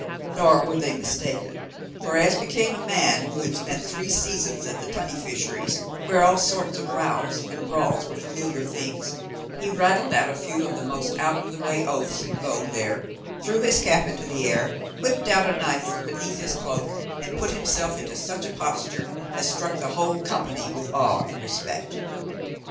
Nor were they mistaken; for, as became a man who had spent three seasons at the tunny fisheries, where all sorts of rows and brawls are familiar things, he rattled out a few of the most out of the way oaths in vogue there, threw his cap into the air, whipped out a knife from beneath his cloak, and put himself into such a posture as struck the whole company with awe and respect.